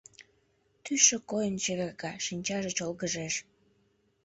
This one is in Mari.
Тӱсшӧ койын чеверга, шинчаже чолгыжеш.